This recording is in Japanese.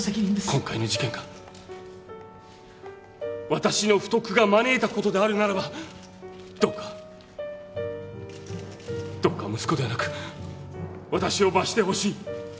今回の事件が私の不徳が招いたことであるならばどうかどうか息子ではなく私を罰してほしい。